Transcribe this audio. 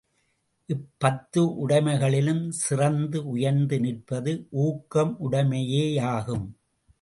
இப்பத்து உடைமைகளிலும் சிறந்து உயர்ந்து நிற்பது ஊக்கமுடைமையேயாகும்.